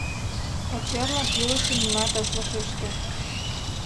Пачерлан илыше нимат ыш вашеште.